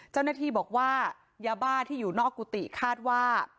เจ้าหน้าที่บอกว่ายาบ้าที่อยู่นอกกุฏิคาดว่า